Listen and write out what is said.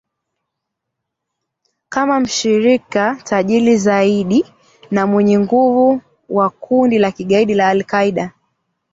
kama mshirika tajiri zaidi na mwenye nguvu wa kundi la kigaidi la al-Qaida